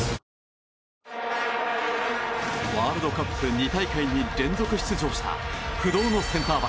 ワールドカップ２大会に連続出場した不動のセンター